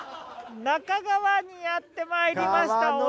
那珂川にやってまいりました！